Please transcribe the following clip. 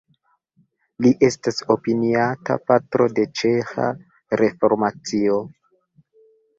Li estas opiniata patro de ĉeĥa reformacio.